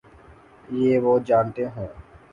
یہ وہی جانتے ہوں۔